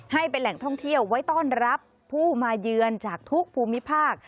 ให้เป็นแหล่งท่องเที่ยวไว้ต้อนรับผู้มาเยือนจากทุกภูมิภาค